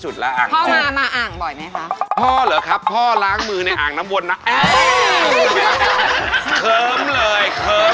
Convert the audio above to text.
เชฟเหรอหนุ๊ยหนุ๊ย